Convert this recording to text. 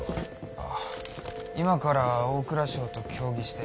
あぁ今から大蔵省と協議して。